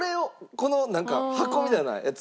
このなんか箱みたいなやつ。